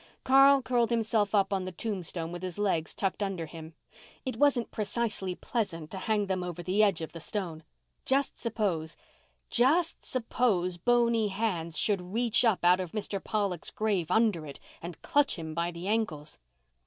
Carl curled himself up on the tombstone with his legs tucked under him. It wasn't precisely pleasant to hang them over the edge of the stone. Just suppose—just suppose—bony hands should reach up out of Mr. Pollock's grave under it and clutch him by the ankles.